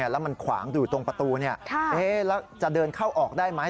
แล้วมันขวางอยู่ตรงประตูแล้วจะเดินเข้าออกได้ไหม